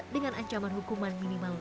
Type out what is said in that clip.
dengan ancaman hukuman minimal